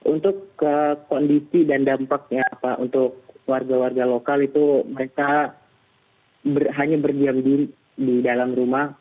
untuk kondisi dan dampaknya pak untuk warga warga lokal itu mereka hanya berdiam diri di dalam rumah